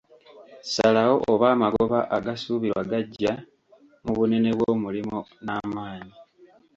Salawo oba amagoba agasuubirwa gagya mu bunene bw’omulimo n’amaanyi.